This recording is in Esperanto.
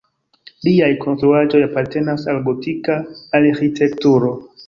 Liaj konstruaĵoj apartenas al gotika arĥitekturo.